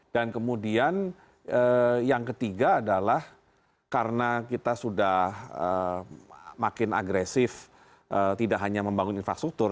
dan kemudian yang ketiga adalah karena kita sudah makin agresif tidak hanya membangun infrastruktur